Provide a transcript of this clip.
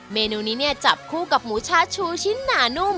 เมนูนี้เนี่ยจับคู่กับหมูชาชูชิ้นหนานุ่ม